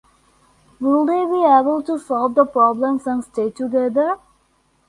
Will they be able to solve the problems and stay together?